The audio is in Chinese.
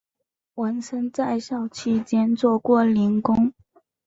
文森在校期间做过零工。